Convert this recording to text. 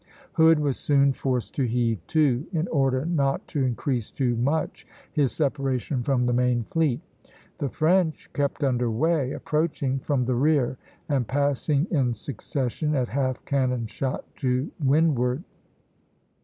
Hood was soon forced to heave to, in order not to increase too much his separation from the main fleet; the French kept under way, approaching from the rear and passing in succession at half cannon shot to windward (Plate XX.